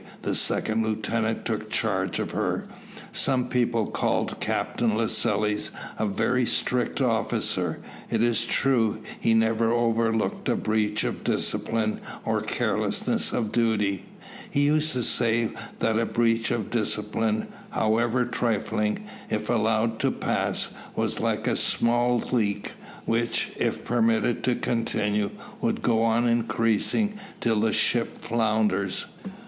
The second lieutenant took charge of her. Some people called Captain Lascelles a very strict officer. It is true he never overlooked a breach of discipline or carelessness of duty. He used to say that a breach of discipline, however trifling, if allowed to pass, was like a small leak, which, if permitted to continue, will go on increasing till the ship founders.